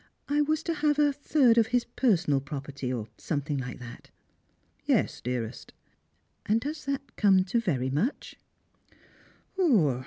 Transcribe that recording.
I was to have a third of his personal property, or eomething like that." " Yes, dearest." " And does that come to very much